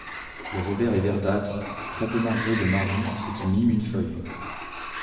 Le revers est verdâtre très peu marbré de marron ce qui mime une feuille.